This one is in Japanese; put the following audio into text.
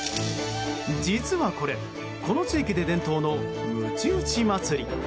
実はこれ、この地域で伝統のむち打ち祭り。